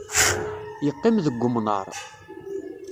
Yeqqim deg umnaṛ.